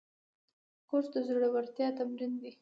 کورس د زړورتیا تمرین دی.